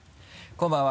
こんばんは。